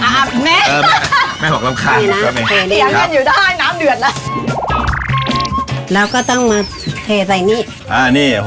ไม่งานค่ะ